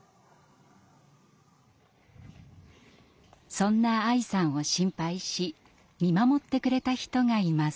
そんな愛さんを心配し見守ってくれた人がいます。